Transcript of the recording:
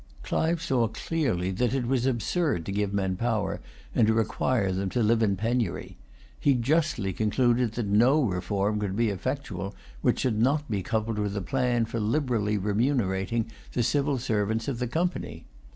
Clive saw clearly that it was absurd to give men power, and to require them to live in penury. He justly concluded that no reform could be effectual which should not be coupled with a plan for liberally remunerating the civil servants of the Company.